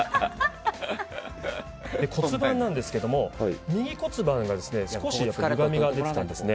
骨盤なんですが、右骨盤が少しゆがみが出ていたんですね。